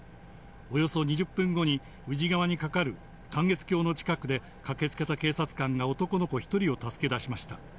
およそ２０分後に、宇治川に架かる観月橋の近くで、駆けつけた警察官が男の子１人を助け出しました。